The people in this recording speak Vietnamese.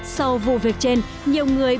sau vụ việc trên nhiều người bỏ lỡ